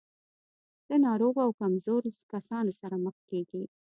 له ناروغو او کمزورو کسانو سره مخ کېږي.